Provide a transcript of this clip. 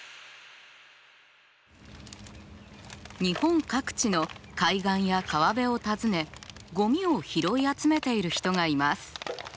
日本各地の海岸や川辺を訪ねゴミを拾い集めている人がいます。